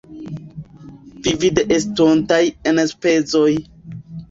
Vivi de estontaj enspezoj.